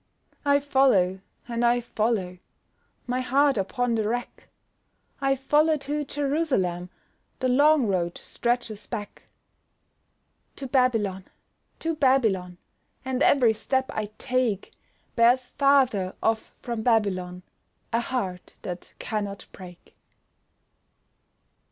I follow and I follow! My heart upon the rack; I follow to Jerusalem The long road stretches back To Babylon, to Babylon! And every step I take Bears farther off from Babylon A heart that cannot break.